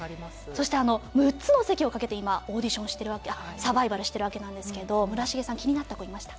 そして６つの席をかけて今オーディションしてるサバイバルしてるわけなんですけど村重さん気になった子いました？